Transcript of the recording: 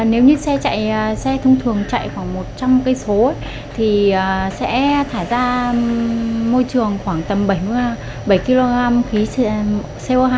nếu như xe chạy xe thông thường chạy khoảng một trăm linh km thì sẽ thả ra môi trường khoảng tầm bảy kg khí co hai